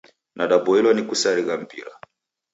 Nadapoilwa ni kusarigha mpira.